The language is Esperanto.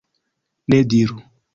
Ne diru!